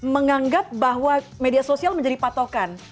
menganggap bahwa media sosial menjadi patokan